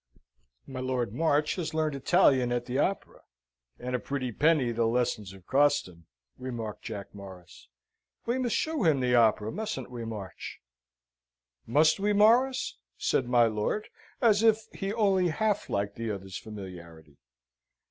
"My Lord March has learned Italian at the Opera, and a pretty penny his lessons have cost him," remarked Jack Morris. "We must show him the Opera mustn't we, March?" "Must we, Morris?" said my lord, as if he only half liked the other's familiarity.